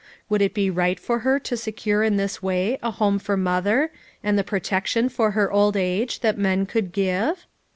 Would it be right for her to secure in this way a home for mother, and the protection for her old age that men could give?